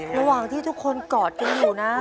ระหว่างที่ทุกคนกอดกันอยู่นะ